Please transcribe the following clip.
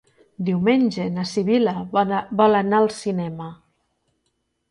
Diumenge na Sibil·la vol anar al cinema.